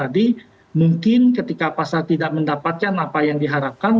jadi mungkin ketika pasar tidak mendapatkan apa yang diharapkan